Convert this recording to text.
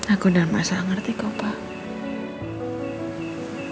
aku dalam masa ngerti kok pak